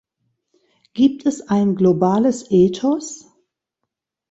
Gibt es ein globales Ethos?